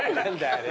あれ。